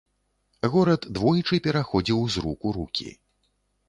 Горад двойчы пераходзіў з рук у рукі.